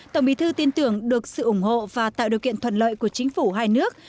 tổng bí thư tin tưởng được sự ủng hộ và tạo điều kiện thuận lợi của chính phủ hai nước